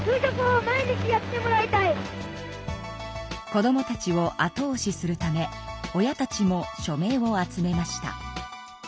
子どもたちを後おしするため親たちも署名を集めました。